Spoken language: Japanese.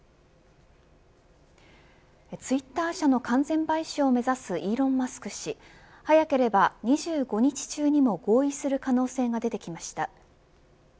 ツイッター社の完全買収を目指すイーロン・マスク氏早ければ２５日中にも合意する可能性が出てきました。